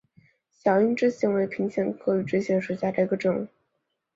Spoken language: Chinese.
小硬枝藓为平藓科羽枝藓属下的一个种。